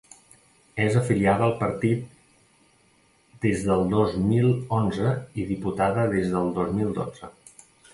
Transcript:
És afiliada al partit des del dos mil onze i diputada des del dos mil dotze.